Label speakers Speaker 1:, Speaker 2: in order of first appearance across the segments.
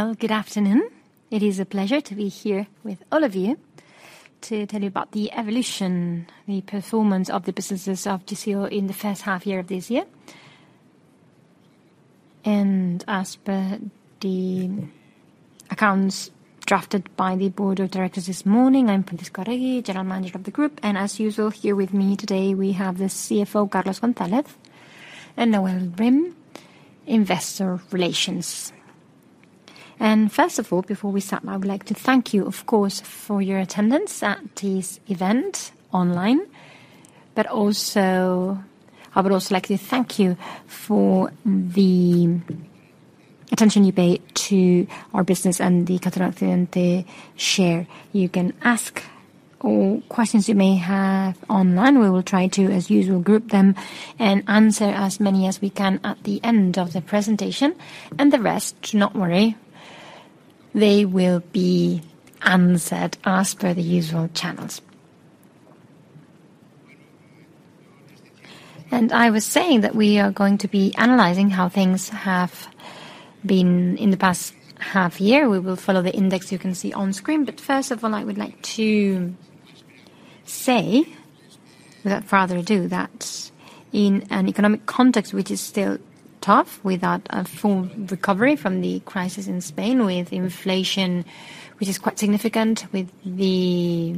Speaker 1: Well, good afternoon. It is a pleasure to be here with all of you to tell you about the evolution, the performance of the businesses of GCO in the first half year of this year. As per the accounts drafted by the board of directors this morning, I'm Francisco José Arregui Laborda, General Manager of the group. As usual, here with me today, we have the CFO, Carlos González, and Nawal Rim Barange, Investor Relations. First of all, before we start, I would like to thank you, of course, for your attendance at this event online. Also, I would also like to thank you for the attention you pay to our business and the Catalana share. You can ask all questions you may have online. We will try to, as usual, group them and answer as many as we can at the end of the presentation. The rest, do not worry, they will be answered as per the usual channels. I was saying that we are going to be analyzing how things have been in the past half year. We will follow the index you can see on screen. First of all, I would like to say, without further ado, that in an economic context, which is still tough, without a full recovery from the crisis in Spain, with inflation, which is quite significant, with the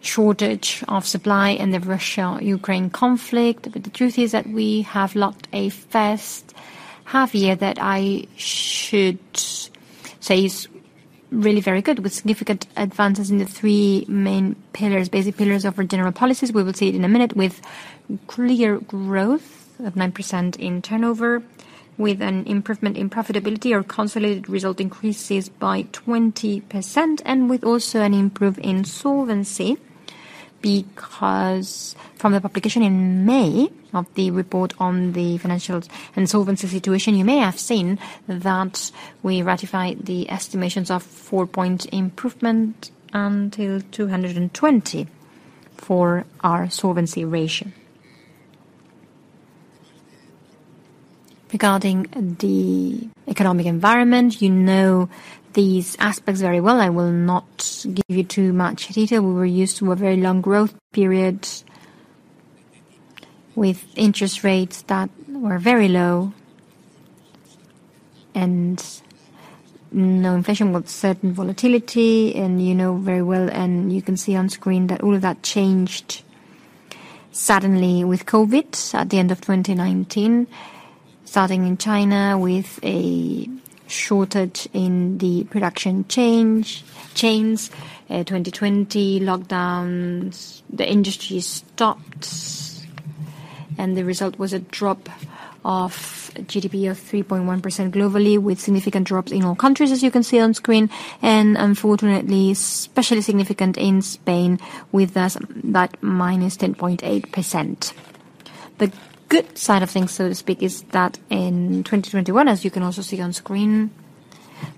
Speaker 1: shortage of supply and the Russia-Ukraine conflict. The truth is that we have locked a first half year that I should say is really very good, with significant advances in the three main pillars, basic pillars of our general policies. We will see it in a minute with clear growth of 9% in turnover, with an improvement in profitability. Our consolidated result increases by 20%, and with also an improvement in solvency, because from the publication in May of the report on the financials and solvency situation, you may have seen that we ratify the estimations of four-point improvement to 220 for our Solvency Ratio. Regarding the economic environment, you know these aspects very well. I will not give you too much detail. We were used to a very long growth period with interest rates that were very low and no inflation, with certain volatility. You know very well, and you can see on screen that all of that changed suddenly with COVID at the end of 2019, starting in China with a shortage in the supply chains. 2020 lockdowns, the industry stopped, and the result was a drop of GDP of 3.1% globally, with significant drops in all countries, as you can see on screen, and unfortunately, especially significant in Spain with that minus 10.8%. The good side of things, so to speak, is that in 2021, as you can also see on screen,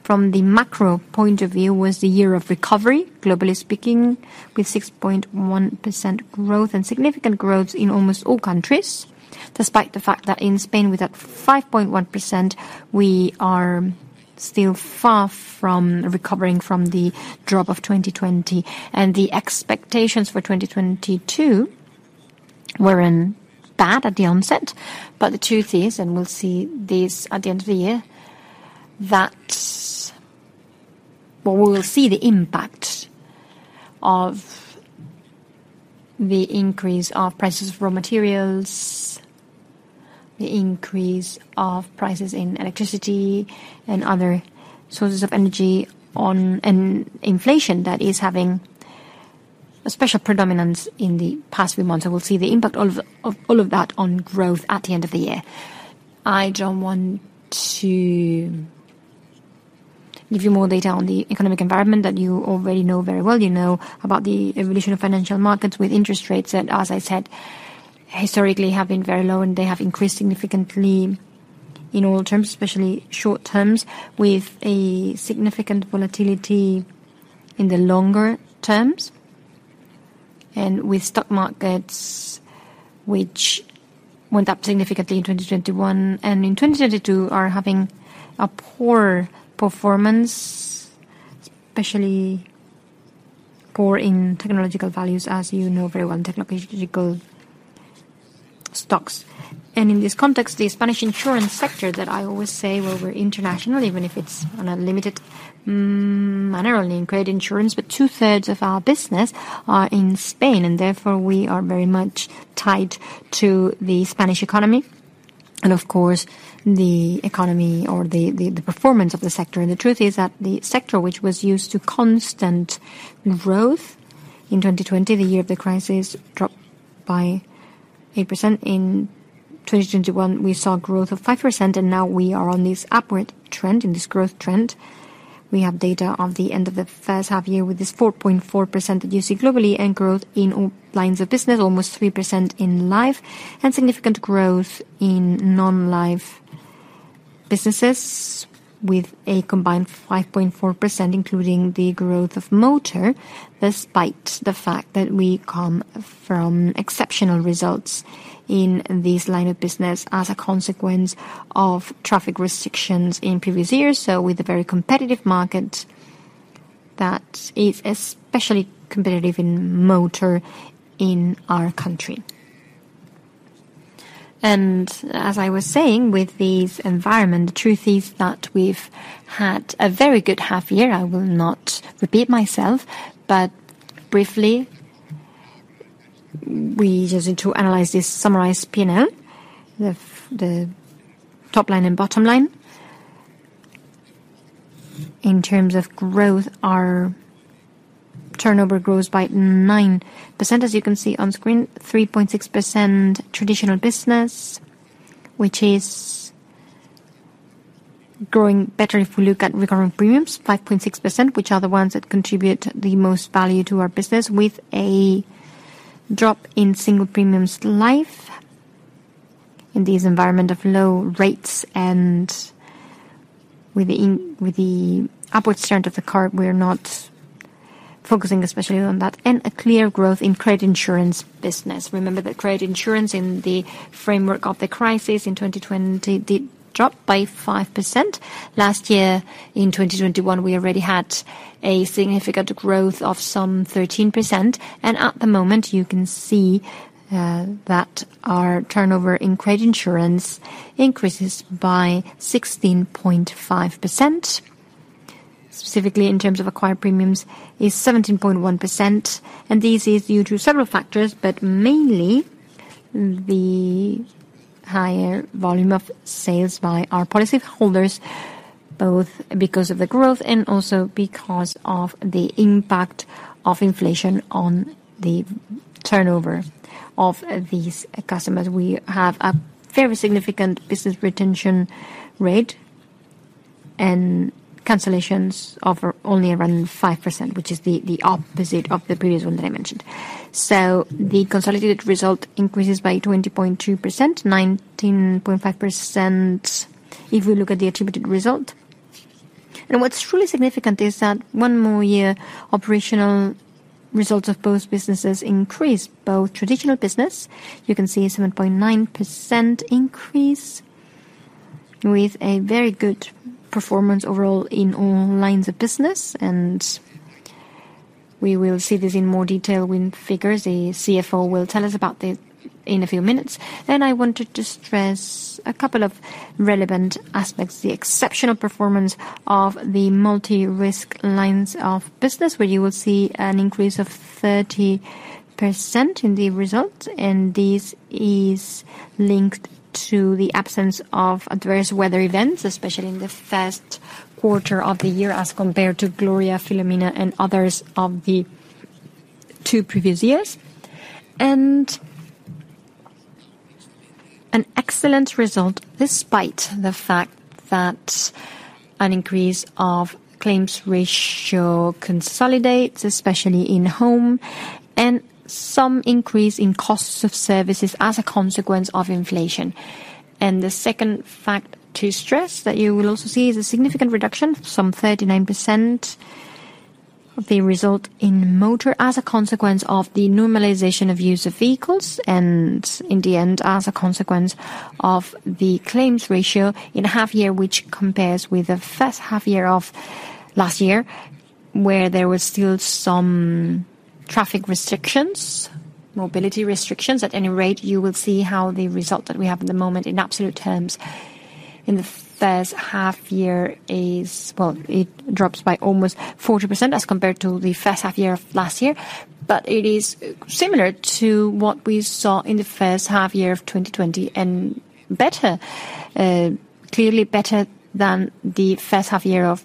Speaker 1: from the macro point of view, was the year of recovery, globally speaking, with 6.1% growth and significant growth in almost all countries. Despite the fact that in Spain, with that 5.1%, we are still far from recovering from the drop of 2020. The expectations for 2022 weren't bad at the onset. The truth is, and we'll see this at the end of the year, that. Well, we will see the impact of the increase of prices of raw materials, the increase of prices in electricity and other sources of energy on an inflation that is having a special predominance in the past few months. We'll see the impact of all of that on growth at the end of the year. I don't want to give you more data on the economic environment that you already know very well. You know about the evolution of financial markets with interest rates that, as I said, historically have been very low, and they have increased significantly in all terms, especially short terms, with a significant volatility in the longer terms and with stock markets which went up significantly in 2021, and in 2022 are having a poor performance, especially poor in technological values, as you know very well, technological stocks. In this context, the Spanish insurance sector that I always say, well, we're international, even if it's on a limited manner only in credit insurance, but 2/3 of our business are in Spain, and therefore we are very much tied to the Spanish economy and of course, the economy or the performance of the sector. The truth is that the sector, which was used to constant growth in 2020, the year of the crisis, dropped by 8%. In 2021, we saw growth of 5%, and now we are on this upward trend, in this growth trend. We have data of the end of the first half year with this 4.4% that you see globally and growth in all lines of business, almost 3% in life, and significant growth in non-life businesses with a combined 5.4%, including the growth of motor, despite the fact that we come from exceptional results in this line of business as a consequence of traffic restrictions in previous years. With a very competitive market that is especially competitive in motor in our country. As I was saying, with this environment, the truth is that we've had a very good half year. I will not repeat myself, but briefly, we just need to analyze this summarized P&L, the top line and bottom line. In terms of growth, our turnover grows by 9%, as you can see on screen, 3.6% traditional business, which is growing better if we look at recurring premiums, 5.6%, which are the ones that contribute the most value to our business with a drop in single premiums life. In this environment of low rates and with the upwards trend of the curve, we're not focusing especially on that and a clear growth in credit insurance business. Remember that credit insurance in the framework of the crisis in 2020 did drop by 5%. Last year, in 2021, we already had a significant growth of some 13%. At the moment, you can see that our turnover in credit insurance increases by 16.5%. Specifically, in terms of acquired premiums is 17.1%. This is due to several factors, but mainly the higher volume of sales by our policyholders, both because of the growth and also because of the impact of inflation on the turnover of these customers. We have a very significant business retention rate and cancellations of only around 5%, which is the opposite of the previous one that I mentioned. The consolidated result increases by 20.2%, 19.5% if we look at the attributed result. What's truly significant is that one more year, operational results of both businesses increased. Both traditional business, you can see a 7.9% increase with a very good performance overall in all lines of business. We will see this in more detail when figures, the CFO will tell us about this in a few minutes. I wanted to stress a couple of relevant aspects, the exceptional performance of the multi-risk lines of business, where you will see an increase of 30% in the results. This is linked to the absence of adverse weather events, especially in the first quarter of the year as compared to Gloria, Filomena, and others of the two previous years. An excellent result despite the fact that an increase of claims ratio consolidates, especially in home, and some increase in costs of services as a consequence of inflation. The second fact to stress that you will also see is a significant reduction, some 39% of the result in motor as a consequence of the normalization of user vehicles and in the end, as a consequence of the claims ratio in half year, which compares with the first half year of last year, where there was still some traffic restrictions, mobility restrictions. At any rate, you will see how the result that we have at the moment in absolute terms in the first half year is, well, it drops by almost 40% as compared to the first half year of last year. But it is similar to what we saw in the first half year of 2020 and better, clearly better than the first half year of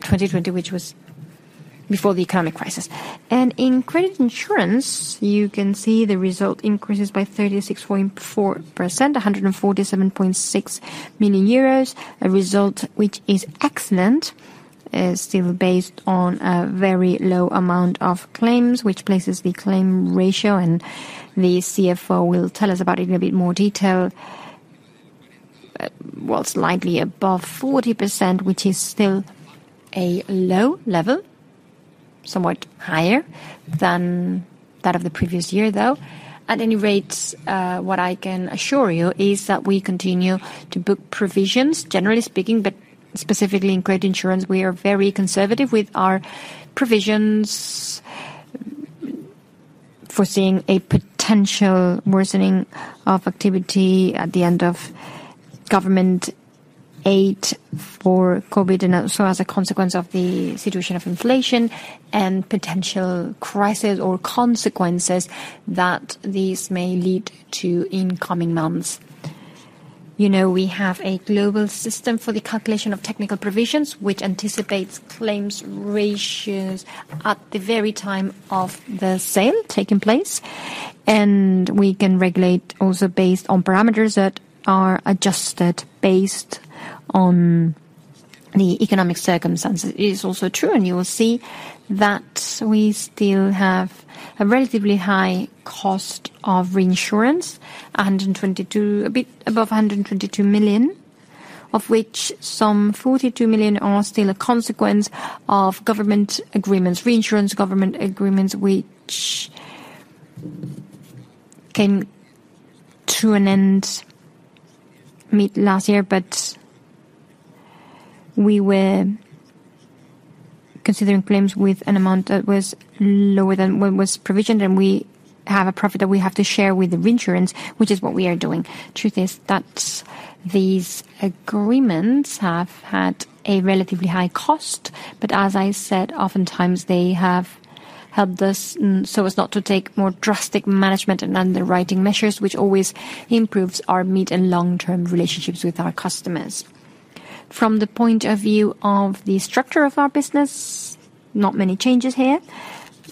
Speaker 1: 2020, which was before the economic crisis. In credit insurance, you can see the result increases by 36.4%, 147.6 million euros, a result which is excellent, still based on a very low amount of claims, which places the claims ratio, and the CFO will tell us about it in a bit more detail. Well, slightly above 40%, which is still a low level, somewhat higher than that of the previous year, though. At any rate, what I can assure you is that we continue to book provisions, generally speaking, but specifically in credit insurance, we are very conservative with our provisions foreseeing a potential worsening of activity at the end of government aid for COVID, and also as a consequence of the situation of inflation and potential crisis or consequences that this may lead to in coming months. You know, we have a global system for the calculation of technical provisions, which anticipates claims ratios at the very time of the sale taking place. We can regulate also based on parameters that are adjusted based on the economic circumstances. It is also true, and you will see that we still have a relatively high cost of reinsurance, 122, a bit above 122 million, of which some 42 million are still a consequence of government agreements, reinsurance government agreements, which came to an end mid last year, but we were considering claims with an amount that was lower than what was provisioned, and we have a profit that we have to share with the reinsurance, which is what we are doing. Truth is that these agreements have had a relatively high cost, but as I said, oftentimes they have helped us so as not to take more drastic management and underwriting measures, which always improves our mid and long-term relationships with our customers. From the point of view of the structure of our business, not many changes here.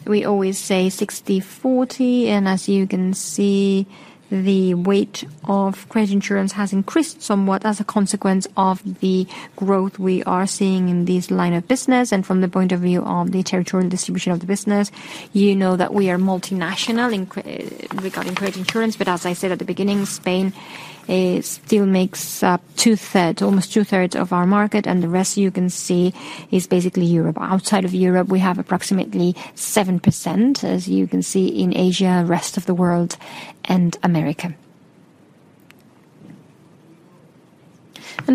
Speaker 1: We always say 60/40, and as you can see, the weight of credit insurance has increased somewhat as a consequence of the growth we are seeing in this line of business. From the point of view of the territorial distribution of the business, you know that we are multinational regarding credit insurance. As I said at the beginning, Spain, it still makes up 2/3, almost 2/3 of our market. The rest, you can see, is basically Europe. Outside of Europe, we have approximately 7%, as you can see, in Asia, rest of the world, and America.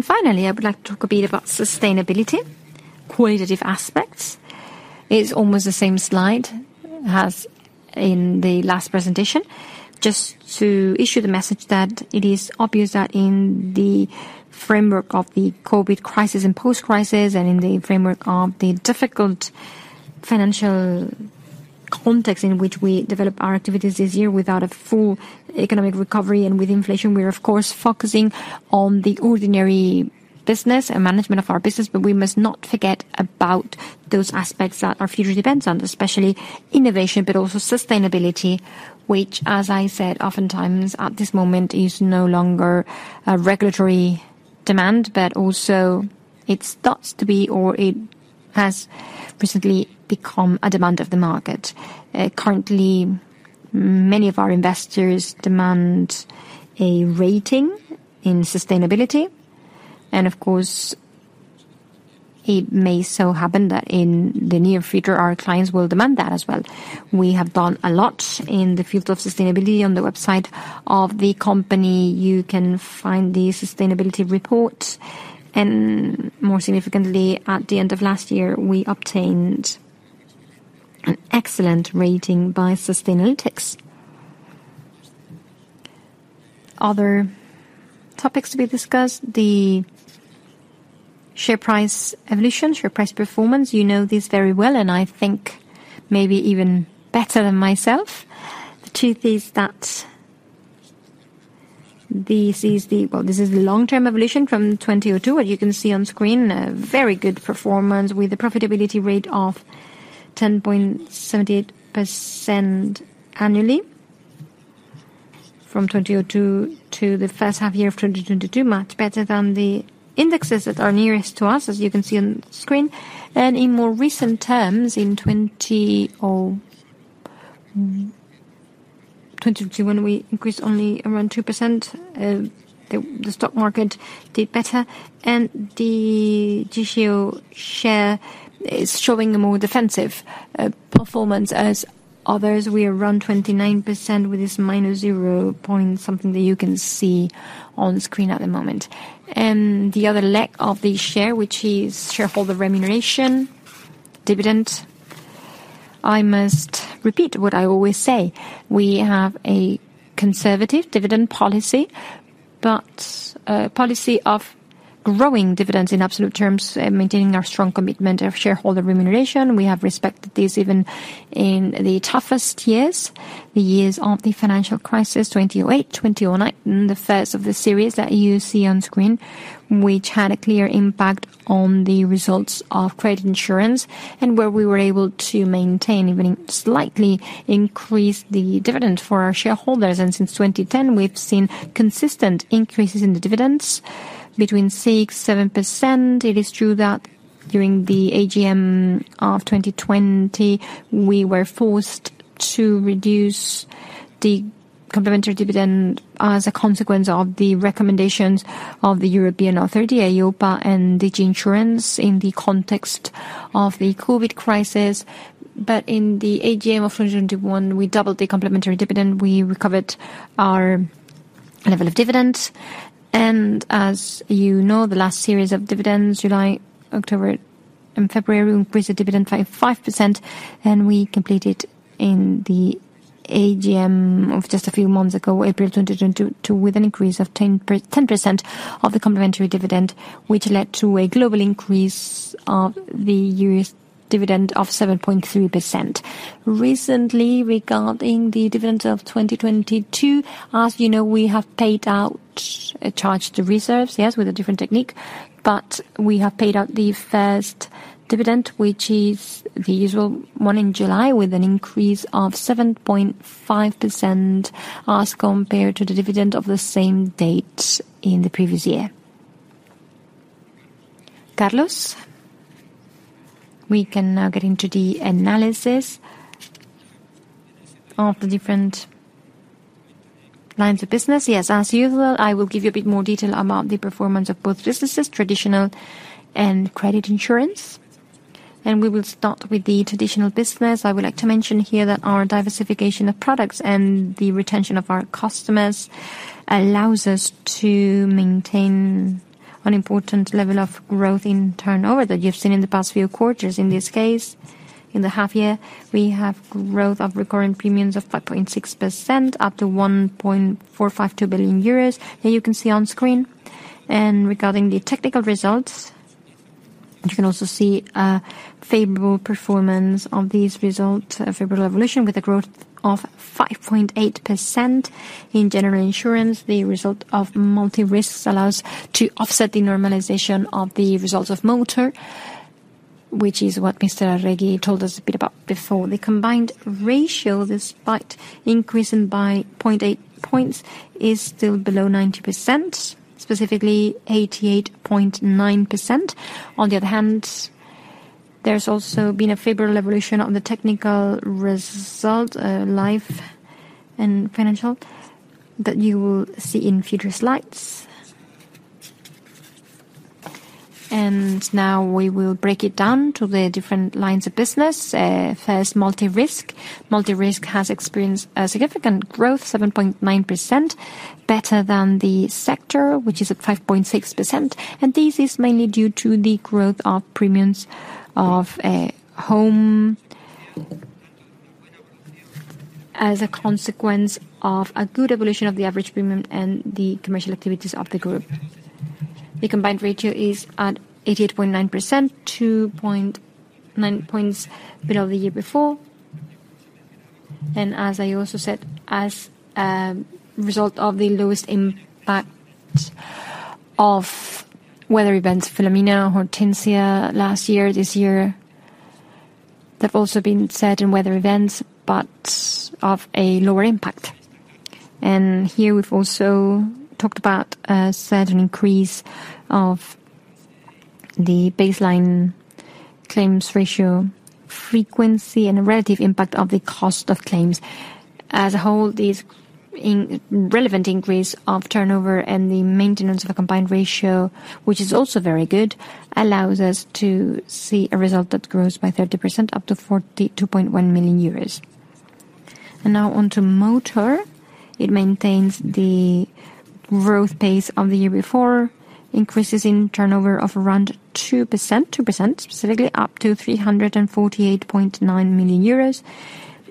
Speaker 1: Finally, I would like to talk a bit about sustainability, qualitative aspects. It's almost the same slide as in the last presentation. Just to issue the message that it is obvious that in the framework of the COVID crisis and post-crisis, and in the framework of the difficult financial context in which we develop our activities this year without a full economic recovery and with inflation, we are of course focusing on the ordinary business and management of our business. We must not forget about those aspects that our future depends on, especially innovation, but also sustainability, which, as I said, oftentimes at this moment is no longer a regulatory demand, but also it starts to be or it has recently become a demand of the market. Currently, many of our investors demand a rating in sustainability, and of course, it may so happen that in the near future, our clients will demand that as well. We have done a lot in the field of sustainability. On the website of the company, you can find the sustainability report. More significantly, at the end of last year, we obtained an excellent rating by Sustainalytics. Other topics to be discussed, the share price evolution, share price performance. You know this very well, and I think maybe even better than myself. The truth is that this is the. Well, this is the long-term evolution from 2002. As you can see on screen, a very good performance with a profitability rate of 10.78% annually from 2002 to the first half year of 2022. Much better than the indexes that are nearest to us, as you can see on screen. In more recent terms, in 2022 when we increased only around 2%, the stock market did better. The GCO share is showing a more defensive performance than others. We are around 29% with this minus zero point, something that you can see on screen at the moment. The other leg of the share, which is shareholder remuneration, dividend. I must repeat what I always say. We have a conservative dividend policy, but a policy of growing dividends in absolute terms, maintaining our strong commitment of shareholder remuneration. We have respected this even in the toughest years, the years of the financial crisis, 2008, 2009, and the first of the series that you see on screen, which had a clear impact on the results of credit insurance and where we were able to maintain, even slightly increase the dividend for our shareholders. Since 2010, we've seen consistent increases in the dividends between 6%-7%. It is true that during the AGM of 2020, we were forced to reduce the complementary dividend as a consequence of the recommendations of the European Authority, EIOPA and the insurance in the context of the COVID crisis. In the AGM of 2021, we doubled the complementary dividend. We recovered our level of dividends. As you know, the last series of dividends, July, October, and February, we increased the dividend by 5%, and we completed in the AGM of just a few months ago, April 2022, with an increase of 10% of the complementary dividend, which led to a global increase of the year's dividend of 7.3%. Recently, regarding the dividend of 2022, as you know, we have paid out a charge to reserves. Yes, with a different technique, but we have paid out the first dividend, which is the usual one in July, with an increase of 7.5% as compared to the dividend of the same date in the previous year. Carlos, we can now get into the analysis of the different lines of business.
Speaker 2: Yes, as usual, I will give you a bit more detail about the performance of both businesses, traditional and credit insurance. We will start with the traditional business. I would like to mention here that our diversification of products and the retention of our customers allows us to maintain an important level of growth in turnover that you've seen in the past few quarters. In this case, in the half year, we have growth of recurring premiums of 5.6% up to 1.452 billion euros that you can see on screen. Regarding the technical results, you can also see a favorable performance of these results, a favorable evolution with a growth of 5.8%. In general insurance, the result of multi-risks allows to offset the normalization of the results of motor, which is what Mr. Arregui told us a bit about before. The combined ratio, despite increasing by 0.8 points, is still below 90%, specifically 88.9%. On the other hand, there's also been a favorable evolution on the technical result, life and financial that you will see in future slides. Now we will break it down to the different lines of business. First, multi-risk. Multi-risk has experienced a significant growth, 7.9%, better than the sector, which is at 5.6%. This is mainly due to the growth of premiums of home as a consequence of a good evolution of the average premium and the commercial activities of the group. The combined ratio is at 88.9%, 2.9 points below the year before. As a result of the lowest impact of weather events, Filomena, Hortense last year. This year, there've also been certain weather events, but of a lower impact. Here we've also talked about a certain increase of the baseline claims ratio frequency and the relative impact of the cost of claims. As a whole, this irrelevant increase of turnover and the maintenance of a combined ratio, which is also very good, allows us to see a result that grows by 30% up to 42.1 million euros. Now on to motor. It maintains the growth pace of the year before, increases in turnover of around 2%. 2%, specifically, up to 348.9 million euros.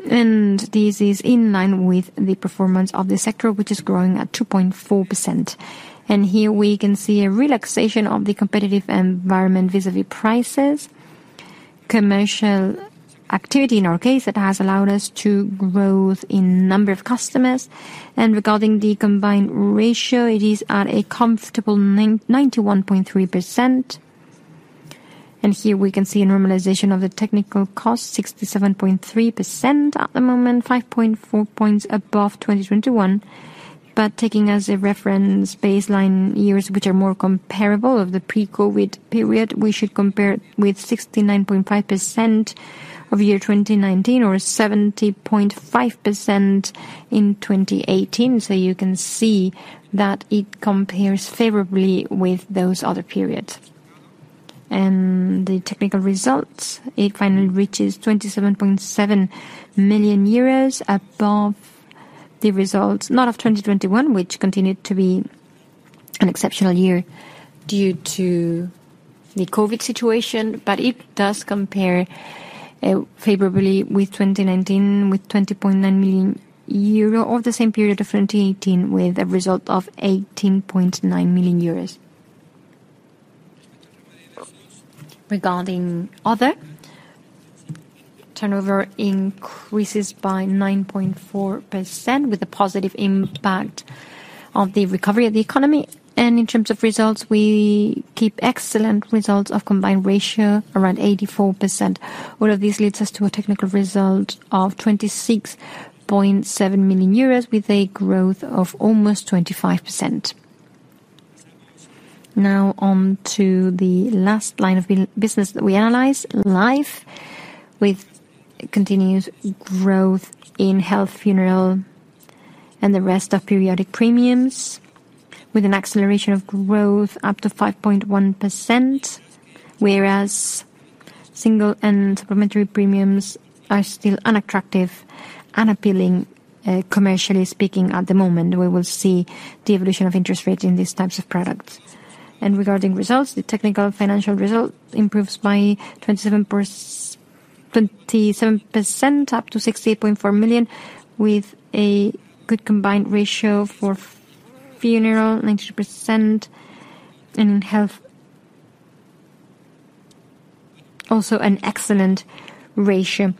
Speaker 2: This is in line with the performance of the sector, which is growing at 2.4%. Here we can see a relaxation of the competitive environment vis-à-vis prices. Commercial activity, in our case, that has allowed us to growth in number of customers. Regarding the combined ratio, it is at a comfortable 91.3%. Here we can see a normalization of the technical cost, 67.3% at the moment, 5.4 points above 2021. Taking as a reference baseline years which are more comparable of the pre-COVID period, we should compare with 69.5% of year 2019 or 70.5% in 2018. You can see that it compares favorably with those other periods. The technical results, it finally reaches 27.7 million euros above the results, not of 2021, which continued to be an exceptional year due to the COVID situation, but it does compare favorably with 2019, with 20.9 million euro, or the same period of 2018 with a result of 18.9 million euros. Regarding turnover, it increases by 9.4% with a positive impact of the recovery of the economy. In terms of results, we keep excellent combined ratio around 84%. All of this leads us to a technical result of 26.7 million euros with a growth of almost 25%. Now on to the last line of business that we analyze, life, with continued growth in health, funeral, and the rest of periodic premiums, with an acceleration of growth up to 5.1%. Whereas single and supplementary premiums are still unattractive and appealing, commercially speaking, at the moment. We will see the evolution of interest rates in these types of products. Regarding results, the technical financial result improves by 27%, up to 68.4 million, with a good combined ratio for funeral, 92%, and health also an excellent ratio,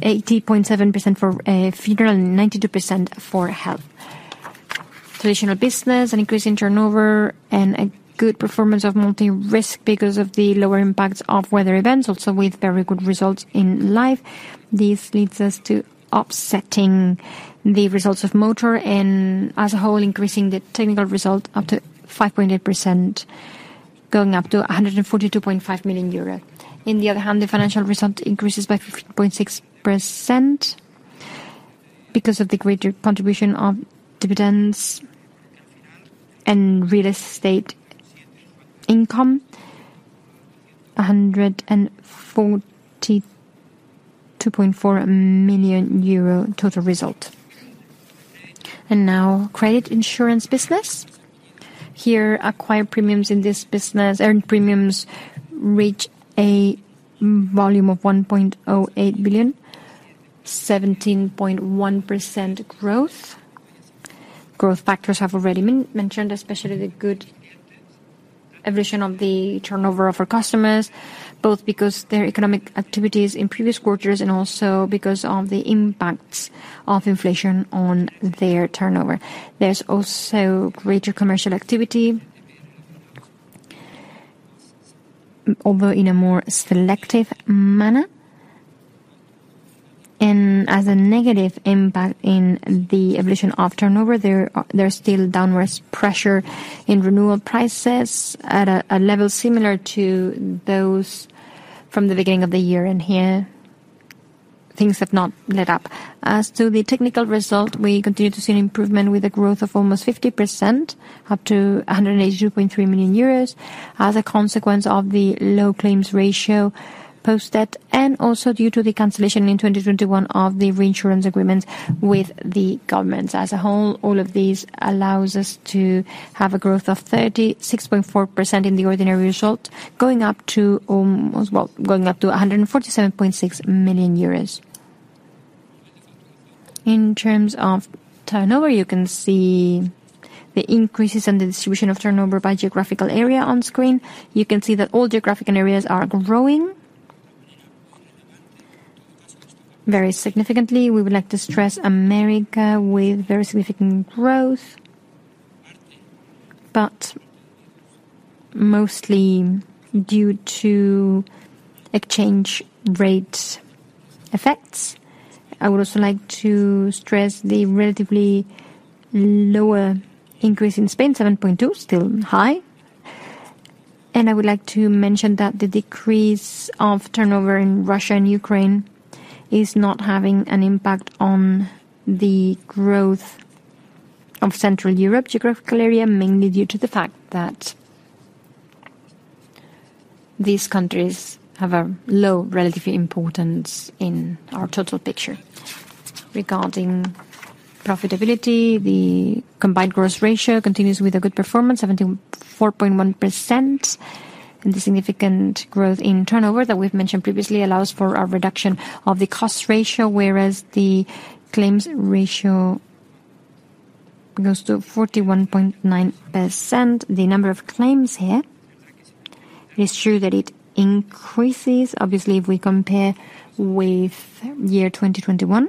Speaker 2: 80.7% for funeral and 92% for health. Traditional business, an increase in turnover, and a good performance of multi-risk because of the lower impacts of weather events, also with very good results in life. This leads us to offsetting the results of motor and as a whole, increasing the technical result up to 5.8%, going up to 142.5 million euro. On the other hand, the financial result increases by 15.6% because of the greater contribution of dividends and real estate income, 142.4 million euro total result. Now credit insurance business. Here acquired premiums in this business. Earned premiums reach a volume of 1.08 billion, 17.1% growth. Growth factors have already been mentioned, especially the good evolution of the turnover of our customers, both because of their economic activities in previous quarters and also because of the impacts of inflation on their turnover. There's also greater commercial activity. Although in a more selective manner and as a negative impact in the evolution of turnover, there's still downward pressure in renewal prices at a level similar to those from the beginning of the year. Here things have not let up. As to the technical result, we continue to see an improvement with a growth of almost 50% up to 182.3 million euros as a consequence of the low claims ratio post-COVID, and also due to the cancellation in 2021 of the reinsurance agreements with the governments. As a whole, all of these allows us to have a growth of 36.4% in the ordinary result, going up to ALM as well, going up to 147.6 million euros. In terms of turnover, you can see the increases and the distribution of turnover by geographical area on screen. You can see that all geographical areas are growing. Very significantly, we would like to stress America with very significant growth. Mostly due to exchange rate effects. I would also like to stress the relatively lower increase in Spain, 7.2%, still high. I would like to mention that the decrease of turnover in Russia and Ukraine is not having an impact on the growth of Central Europe geographical area, mainly due to the fact that these countries have a low relative importance in our total picture. Regarding profitability, the combined ratio continues with a good performance, 94.1%. The significant growth in turnover that we've mentioned previously allows for a reduction of the cost ratio, whereas the claims ratio goes to 41.9%. The number of claims here, it is true that it increases obviously if we compare with year 2021,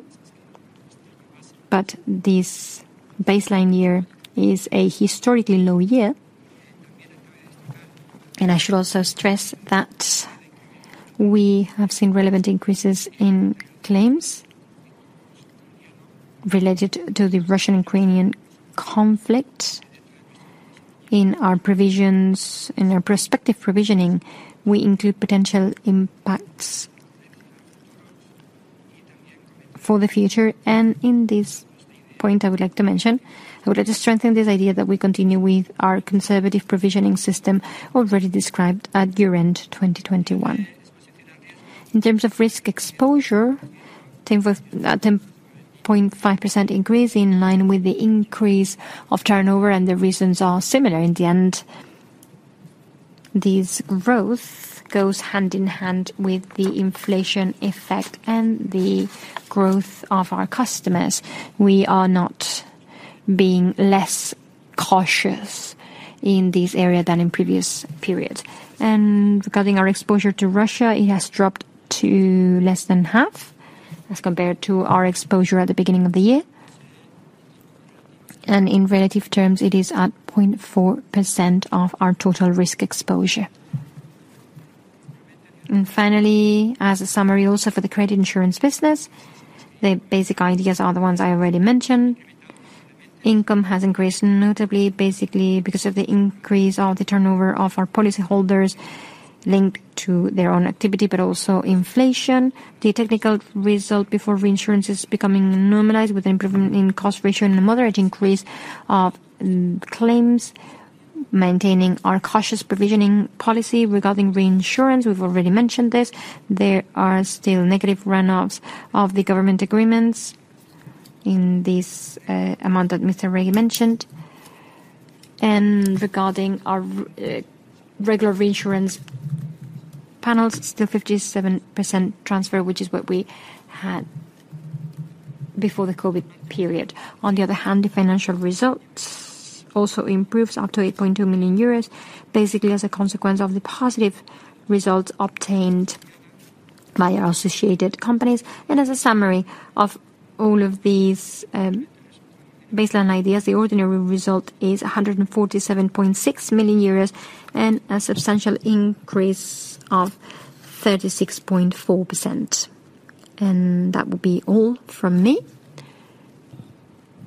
Speaker 2: but this baseline year is a historically low year. I should also stress that we have seen relevant increases in claims related to the Russian-Ukrainian conflict. In our provisions, in our prospective provisioning, we include potential impacts for the future. In this point, I would like to mention, I would like to strengthen this idea that we continue with our conservative provisioning system already described at year-end 2021. In terms of risk exposure, 10.5% increase in line with the increase of turnover and the reasons are similar. In the end, this growth goes hand in hand with the inflation effect and the growth of our customers. We are not being less cautious in this area than in previous periods. Regarding our exposure to Russia, it has dropped to less than half as compared to our exposure at the beginning of the year. In relative terms, it is at 0.4% of our total risk exposure. Finally, as a summary also for the credit insurance business, the basic ideas are the ones I already mentioned. Income has increased notably, basically because of the increase of the turnover of our policy holders linked to their own activity, but also inflation. The technical result before reinsurance is becoming normalized with improvement in cost ratio and a moderate increase of claims, maintaining our cautious provisioning policy. Regarding reinsurance, we've already mentioned this, there are still negative run-offs of the government agreements in this, amount that Mr. Arregui mentioned. Regarding our regular reinsurance panels, still 57% transfer, which is what we had before the COVID period. On the other hand, the financial results also improves up to 8.2 million euros, basically as a consequence of the positive results obtained by our associated companies. As a summary of all of these, baseline ideas, the ordinary result is 147.6 million euros and a substantial increase of 36.4%. That will be all from me.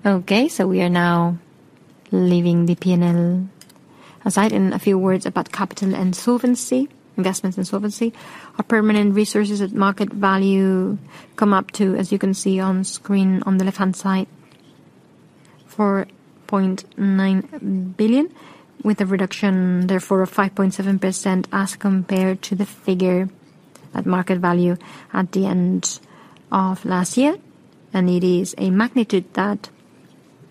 Speaker 1: Okay, we are now leaving the P&L aside in a few words about capital and solvency, investments and solvency. Our permanent resources at market value come up to, as you can see on screen, on the left-hand side, 4.9 billion, with a reduction, therefore, of 5.7% as compared to the figure at market value at the end of last year. It is a magnitude that,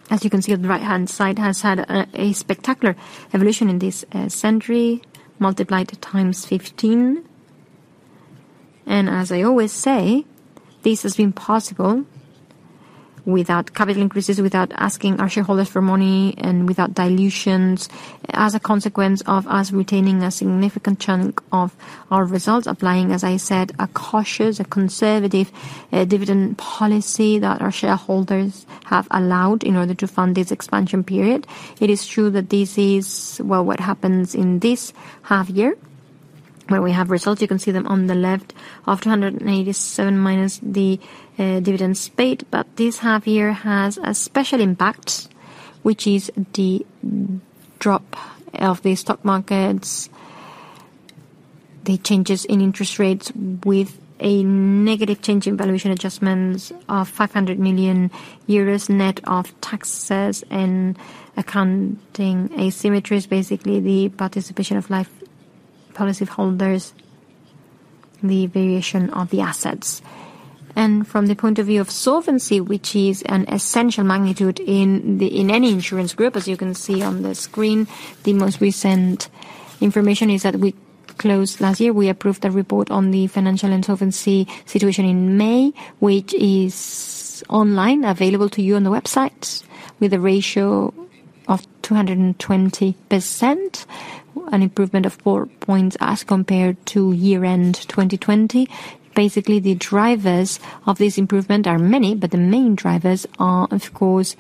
Speaker 1: as you can see on the right-hand side, has had a spectacular evolution in this century, 15x. As I always say, this has been possible without capital increases, without asking our shareholders for money, and without dilutions, as a consequence of us retaining a significant chunk of our results. Applying, as I said, a cautious, a conservative, dividend policy that our shareholders have allowed in order to fund this expansion period. It is true that this is, well, what happens in this half year, where we have results, you can see them on the left, of 287 minus the dividends paid. This half year has a special impact, which is the drop of the stock markets, the changes in interest rates, with a negative change in valuation adjustments of 500 million euros net of taxes and accounting asymmetries, basically the participation of life policy holders, the variation of the assets. From the point of view of solvency, which is an essential magnitude in any insurance group, as you can see on the screen, the most recent information is that we closed last year. We approved the report on the financial and solvency situation in May, which is online, available to you on the website, with a ratio of 220%, an improvement of 4 points as compared to year-end 2020. Basically, the drivers of this improvement are many, but the main drivers are, of course,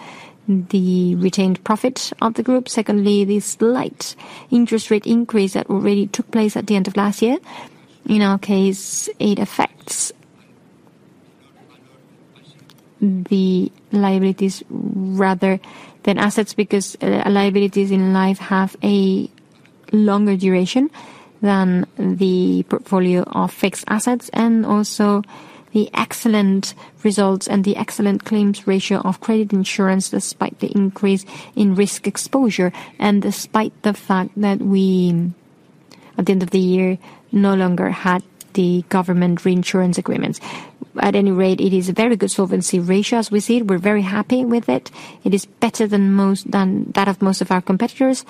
Speaker 1: the retained profit of the group. Secondly, the slight interest rate increase that already took place at the end of last year. In our case, it affects the liabilities rather than assets, because liabilities in life have a longer duration than the portfolio of fixed assets. Also the excellent results and the excellent claims ratio of credit insurance, despite the increase in risk exposure, and despite the fact that we, at the end of the year, no longer had the government reinsurance agreements. At any rate, it is a very good solvency ratio as we see it. We're very happy with it. It is better than that of most of our competitors.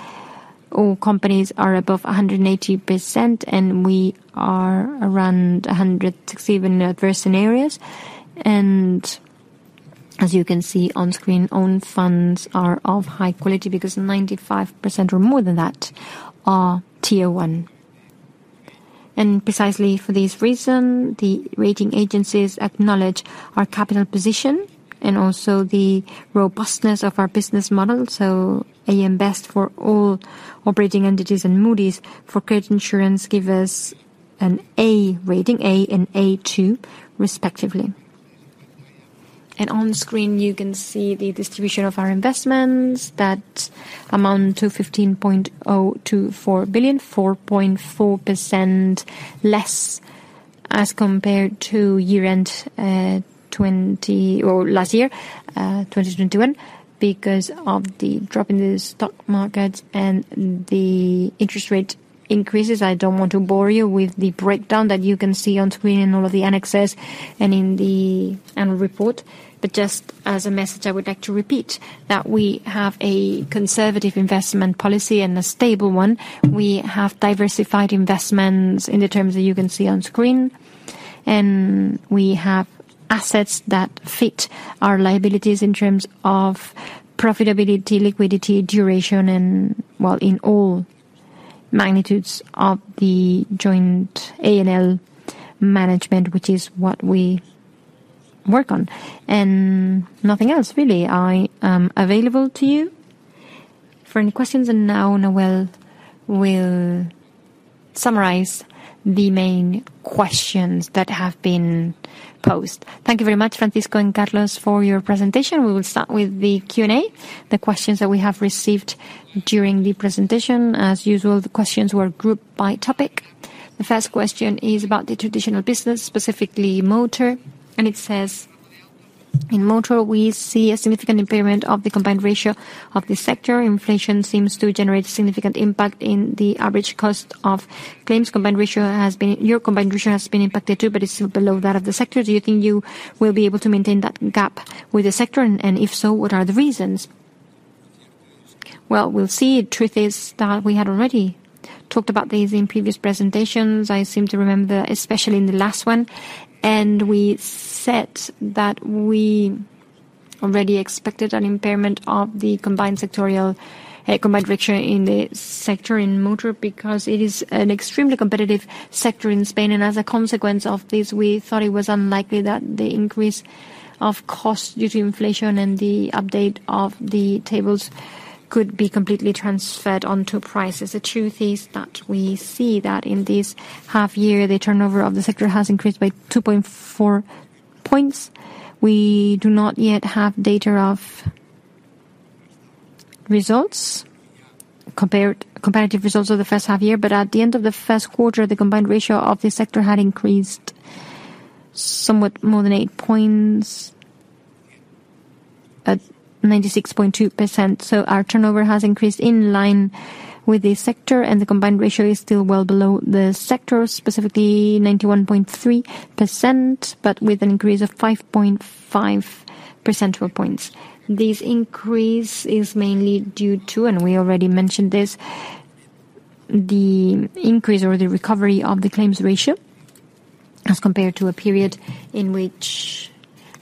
Speaker 1: All companies are above 180%, and we are around 160% in adverse scenarios. As you can see on screen, own funds are of high quality because 95% or more than that are Tier 1. Precisely for this reason, the rating agencies acknowledge our capital position and also the robustness of our business model. AM Best for all operating entities and Moody's for credit insurance give us an A rating, A and A2 respectively. On screen, you can see the distribution of our investments that amount to 15.024 billion, 4.4% less as compared to year-end 2021... Our last year, 2021, because of the drop in the stock market and the interest rate increases. I don't want to bore you with the breakdown that you can see on screen in all of the annexes and in the annual report. Just as a message, I would like to repeat that we have a conservative investment policy and a stable one. We have diversified investments in the terms that you can see on screen. We have assets that fit our liabilities in terms of profitability, liquidity, duration, and, well, in all magnitudes of the joint A&L management, which is what we work on. Nothing else really. I am available to you for any questions. Now Nawal will summarize the main questions that have been posed.
Speaker 3: Thank you very much, Francisco and Carlos, for your presentation. We will start with the Q&A, the questions that we have received during the presentation. As usual, the questions were grouped by topic. The first question is about the traditional business, specifically motor, and it says, "In motor, we see a significant impairment of the combined ratio of this sector. Inflation seems to generate significant impact in the average cost of claims. Your combined ratio has been impacted too, but it's still below that of the sector. Do you think you will be able to maintain that gap with the sector? And if so, what are the reasons?"
Speaker 1: Well, we'll see. Truth is that we had already talked about this in previous presentations, I seem to remember, especially in the last one. We said that we already expected an impairment of the combined ratio in the sector in motor because it is an extremely competitive sector in Spain. As a consequence of this, we thought it was unlikely that the increase of costs due to inflation and the update of the tables could be completely transferred onto prices. The truth is that we see that in this half year, the turnover of the sector has increased by 2.4 points. We do not yet have data of comparative results of the first half year. At the end of the first quarter, the combined ratio of this sector had increased somewhat more than 8 points at 96.2%. Our turnover has increased in line with the sector, and the combined ratio is still well below the sector, specifically 91.3%, but with an increase of 5.5 percentage points. This increase is mainly due to, and we already mentioned this, the increase or the recovery of the claims ratio as compared to a period in which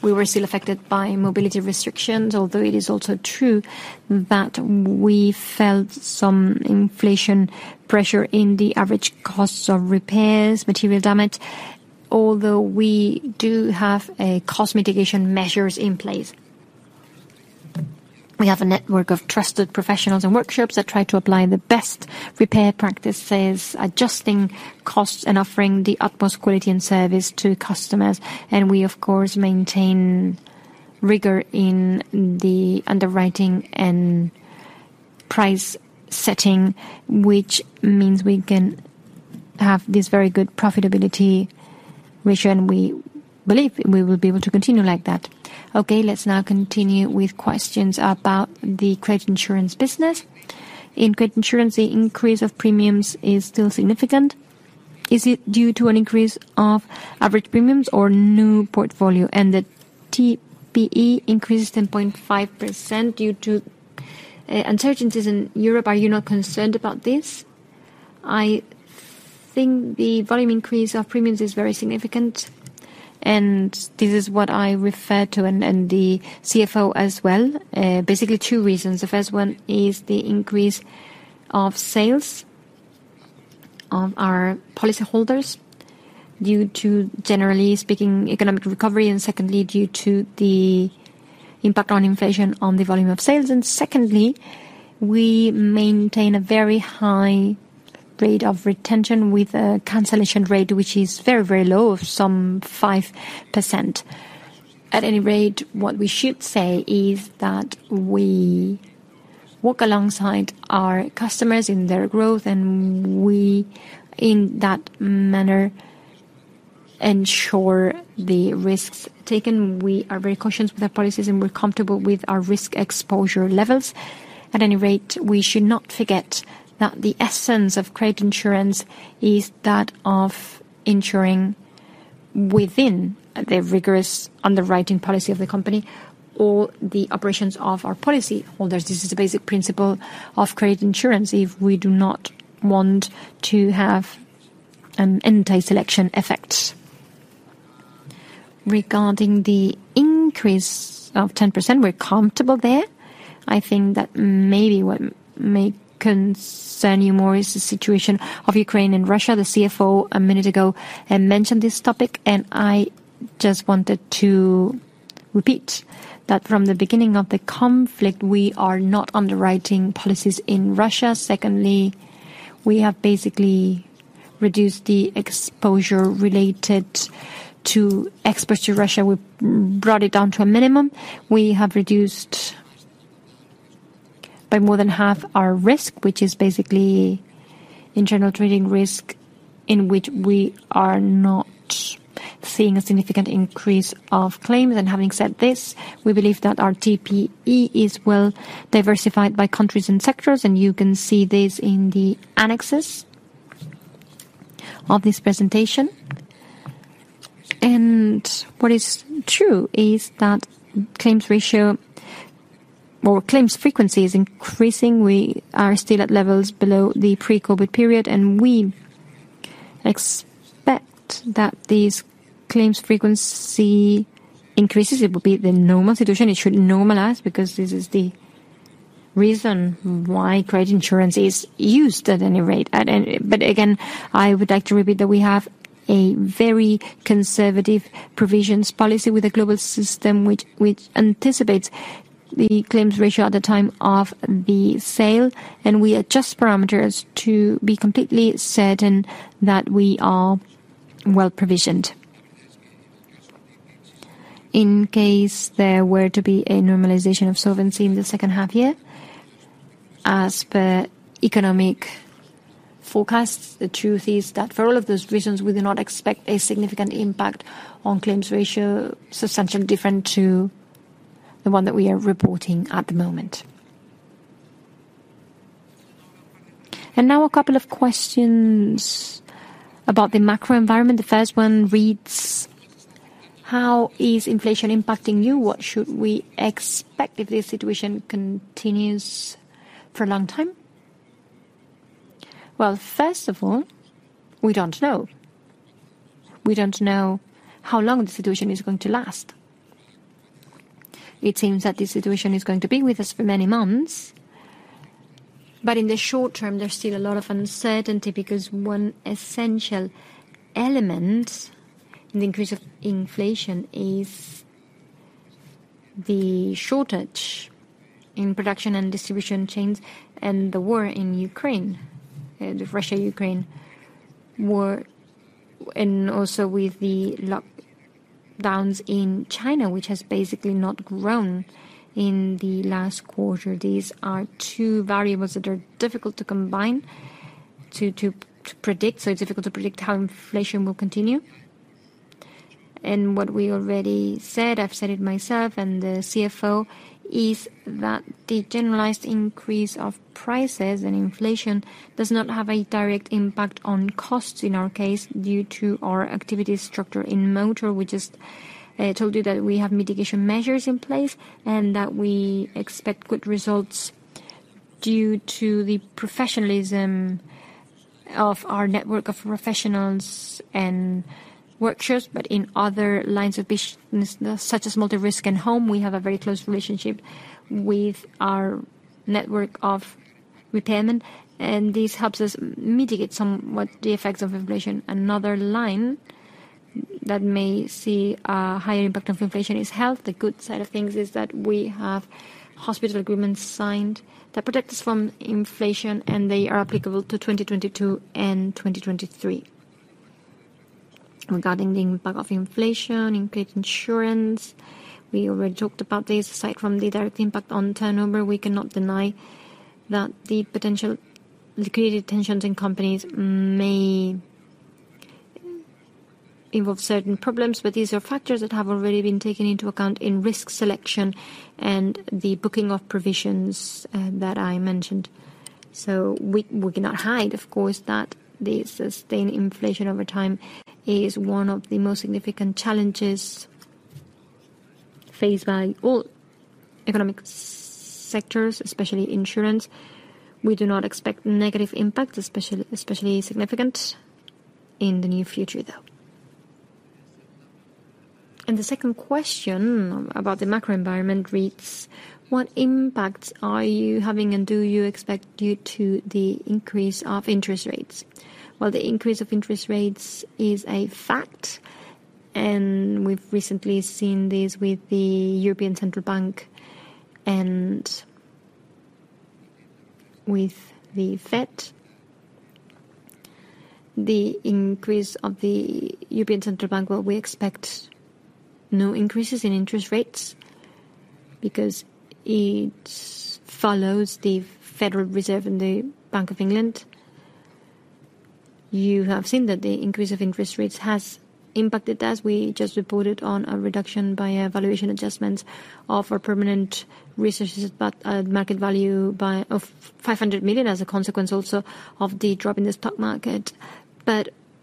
Speaker 1: we were still affected by mobility restrictions. Although it is also true that we felt some inflation pressure in the average costs of repairs, material damage. Although we do have cost mitigation measures in place. We have a network of trusted professionals and workshops that try to apply the best repair practices, adjusting costs and offering the utmost quality and service to customers. We, of course, maintain rigor in the underwriting and price setting, which means we can have this very good profitability ratio, and we believe we will be able to continue like that.
Speaker 3: Okay, let's now continue with questions about the credit insurance business. In credit insurance, the increase of premiums is still significant. Is it due to an increase of average premiums or new portfolio? That TPE increases 10.5% due to uncertainties in Europe. Are you not concerned about this?
Speaker 1: I think the volume increase of premiums is very significant, and this is what I refer to and the CFO as well. Basically two reasons. The first one is the increase of sales of our policyholders due to, generally speaking, economic recovery, and secondly, due to the impact on inflation on the volume of sales. Secondly, we maintain a very high rate of retention with a cancellation rate, which is very, very low of some 5%. At any rate, what we should say is that we work alongside our customers in their growth, and we, in that manner, ensure the risks taken. We are very cautious with our policies, and we're comfortable with our risk exposure levels. At any rate, we should not forget that the essence of credit insurance is that of ensuring within the rigorous underwriting policy of the company or the operations of our policyholders. This is the basic principle of credit insurance if we do not want to have an anti-selection effect. Regarding the increase of 10%, we're comfortable there. I think that maybe what may concern you more is the situation of Ukraine and Russia. The CFO a minute ago mentioned this topic, and I just wanted to repeat that from the beginning of the conflict, we are not underwriting policies in Russia. Secondly, we have basically reduced the exposure related to exports to Russia. We brought it down to a minimum. We have reduced by more than half our risk, which is basically internal trading risk, in which we are not seeing a significant increase of claims. Having said this, we believe that our TPE is well-diversified by countries and sectors, and you can see this in the annexes of this presentation. What is true is that claims ratio or claims frequency is increasing. We are still at levels below the pre-COVID period, and we expect that these claims frequency increases. It will be the normal situation. It should normalize because this is the reason why credit insurance is used at any rate. But again, I would like to repeat that we have a very conservative provisions policy with a global system which anticipates the claims ratio at the time of the sale, and we adjust parameters to be completely certain that we are well-provisioned. In case there were to be a normalization of solvency in the second half year, as per economic forecasts, the truth is that for all of those reasons, we do not expect a significant impact on claims ratio substantially different to the one that we are reporting at the moment.
Speaker 3: Now a couple of questions about the macro environment. The first one reads: How is inflation impacting you? What should we expect if this situation continues for a long time?
Speaker 1: Well, first of all, we don't know. We don't know how long the situation is going to last. It seems that the situation is going to be with us for many months. In the short term, there's still a lot of uncertainty because one essential element in the increase of inflation is the shortage in production and distribution chains and the war in Ukraine, the Russia-Ukraine war, and also with the lockdowns in China, which has basically not grown in the last quarter. These are two variables that are difficult to combine to predict, so it's difficult to predict how inflation will continue. What we already said, I've said it myself and the CFO, is that the generalized increase of prices and inflation does not have a direct impact on costs in our case due to our activity structure in motor. We just told you that we have mitigation measures in place and that we expect good results due to the professionalism of our network of professionals and workshops. In other lines of business, such as multi-risk and home, we have a very close relationship with our network of retail, and this helps us mitigate somewhat the effects of inflation. Another line that may see a higher impact of inflation is health. The good side of things is that we have hospital agreements signed that protect us from inflation, and they are applicable to 2022 and 2023. Regarding the impact of inflation in credit insurance, we already talked about this. Aside from the direct impact on turnover, we cannot deny that the potential liquidity tensions in companies may involve certain problems, but these are factors that have already been taken into account in risk selection and the booking of provisions that I mentioned. We cannot hide, of course, that the sustained inflation over time is one of the most significant challenges faced by all economic sectors, especially insurance. We do not expect negative impact, especially significant in the near future, though.
Speaker 3: The second question about the macro environment reads: What impacts are you having and do you expect due to the increase of interest rates?
Speaker 1: Well, the increase of interest rates is a fact, and we've recently seen this with the European Central Bank and with the Fed. The increase of the European Central Bank. Well, we expect no increases in interest rates because it follows the Federal Reserve and the Bank of England. You have seen that the increase of interest rates has impacted us. We just reported on a reduction by a valuation adjustment of our permanent resources, but at market value of 500 million as a consequence also of the drop in the stock market.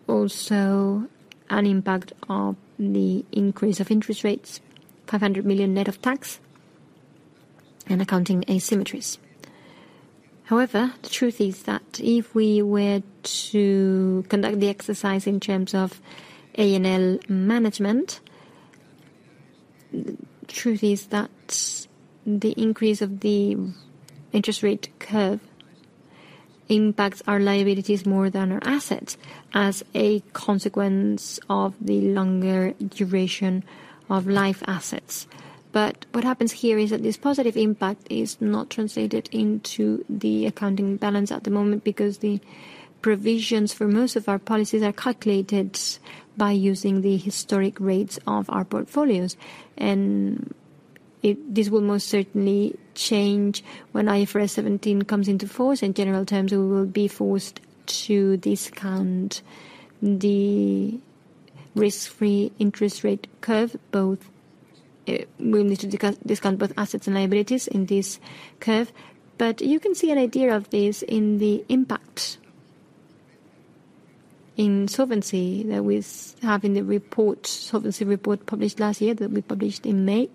Speaker 1: Also an impact of the increase of interest rates, 500 million net of tax and accounting asymmetries. However, the truth is that if we were to conduct the exercise in terms of A&L management, the truth is that the increase of the interest rate curve impacts our liabilities more than our assets as a consequence of the longer duration of life assets. What happens here is that this positive impact is not translated into the accounting balance at the moment because the provisions for most of our policies are calculated by using the historic rates of our portfolios. This will most certainly change when IFRS 17 comes into force. In general terms, we will be forced to discount the risk-free interest rate curve, both, we'll need to discount both assets and liabilities in this curve. You can see an idea of this in the impact in solvency that we have in the report, solvency report published last year, that we published in May,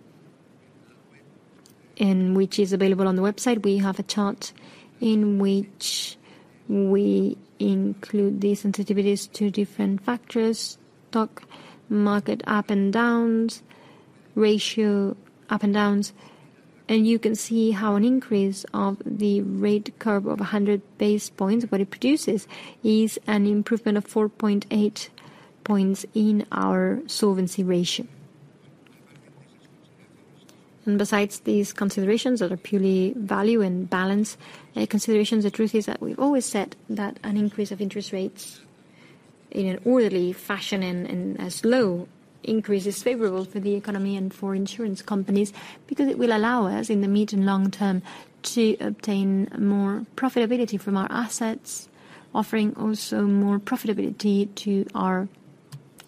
Speaker 1: and which is available on the website. We have a chart in which we include the sensitivities to different factors, stock market up and downs, ratio up and downs, and you can see how an increase of the rate curve of 100 basis points what it produces is an improvement of 4.8 points in our Solvency Ratio. Besides these considerations that are purely value and balance considerations, the truth is that we've always said that an increase of interest rates in an orderly fashion and a slow increase is favorable for the economy and for insurance companies, because it will allow us in the mid and long term to obtain more profitability from our assets, offering also more profitability to our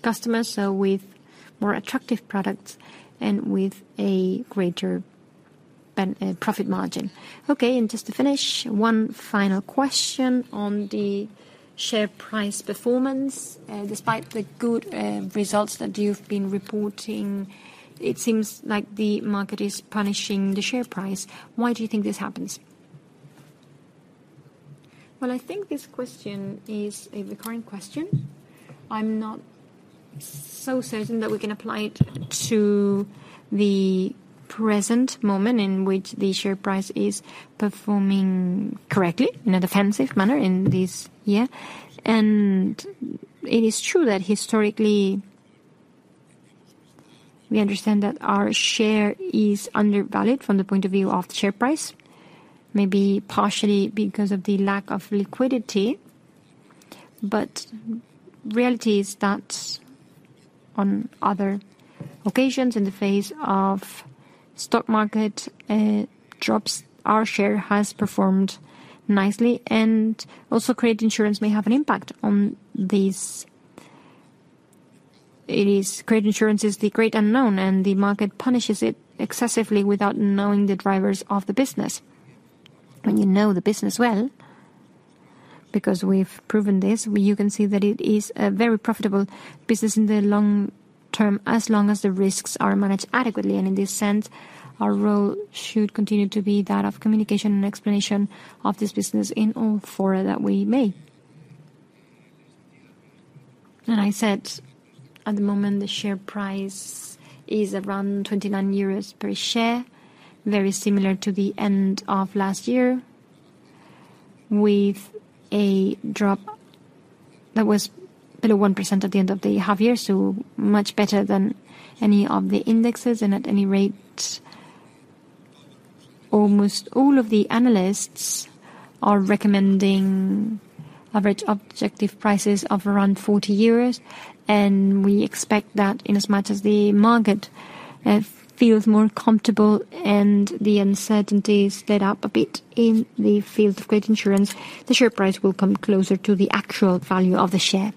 Speaker 1: customers, so with more attractive products and with a greater profit margin.
Speaker 3: Okay, just to finish, one final question on the share price performance. Despite the good results that you've been reporting, it seems like the market is punishing the share price. Why do you think this happens?
Speaker 1: Well, I think this question is a recurring question. I'm not so certain that we can apply it to the present moment in which the share price is performing correctly, in a defensive manner in this year. It is true that historically, we understand that our share is undervalued from the point of view of share price, maybe partially because of the lack of liquidity. Reality is that on other occasions, in the face of stock market drops, our share has performed nicely and also credit insurance may have an impact on these. Credit insurance is the great unknown, and the market punishes it excessively without knowing the drivers of the business. When you know the business well, because we've proven this, you can see that it is a very profitable business in the long term, as long as the risks are managed adequately. In this sense, our role should continue to be that of communication and explanation of this business in all fora that we may. I said, at the moment, the share price is around 29 euros per share, very similar to the end of last year, with a drop that was below 1% at the end of the half year, so much better than any of the indexes and at any rate. Almost all of the analysts are recommending average objective prices of around 40 euros, and we expect that inasmuch as the market feels more comfortable and the uncertainties let up a bit in the field of credit insurance, the share price will come closer to the actual value of the share.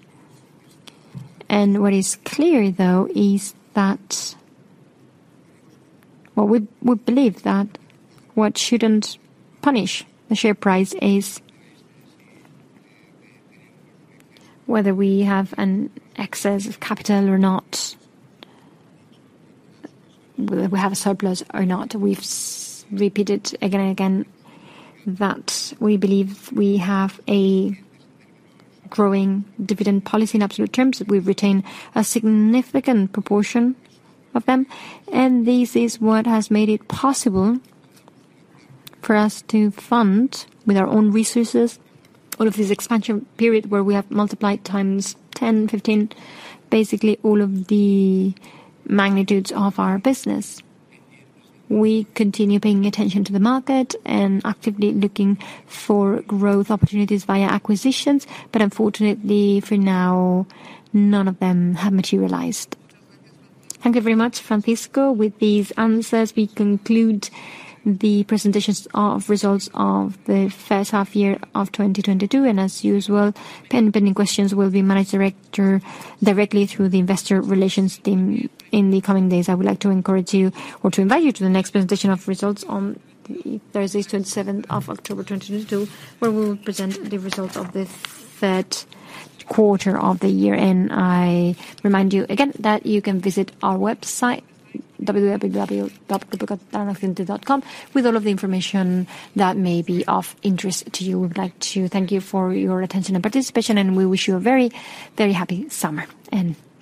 Speaker 1: What is clear, though, is that. Well, we believe that what shouldn't punish the share price is whether we have an excess of capital or not, whether we have a surplus or not. We've repeated again and again that we believe we have a growing dividend policy in absolute terms. We've retained a significant proportion of them, and this is what has made it possible for us to fund with our own resources all of this expansion period where we have multiplied times 10, 15, basically all of the magnitudes of our business. We continue paying attention to the market and actively looking for growth opportunities via acquisitions, but unfortunately, for now, none of them have materialized.
Speaker 3: Thank you very much, Francisco. With these answers, we conclude the presentations of results of the first half year of 2022. As usual, pending questions will be managed directly through the investor relations team in the coming days. I would like to encourage you, or to invite you to the next presentation of results on Thursday, 27th of October, 2022, where we will present the results of the third quarter of the year. I remind you again that you can visit our website, www.GrupoCatalanaOccidente.com, with all of the information that may be of interest to you. We'd like to thank you for your attention and participation, and we wish you a very, very happy summer.